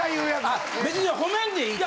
あ別に褒めんでいいと。